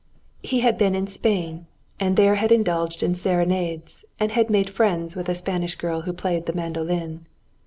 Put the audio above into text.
He had been in Spain, and there had indulged in serenades and had made friends with a Spanish girl who played the mandolin.